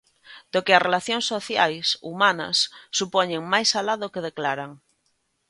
Do que as relacións sociais, humanas, supoñen máis alá do que declaran.